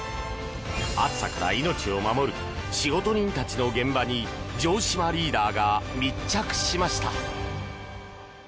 暑さから命を守る仕事人たちの現場に城島リーダーが密着しました。